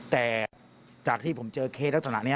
แต่จากที่ผมเจอเคสลักษณะนี้